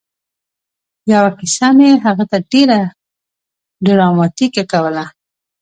یوه کیسه مې هغه ته ډېره ډراماتيکه کوله